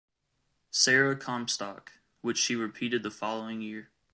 Sara Comstock, which she repeated the following year.